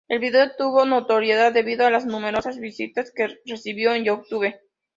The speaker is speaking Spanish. El video tuvo notoriedad debido a las numerosas visitas que recibió en YouTube.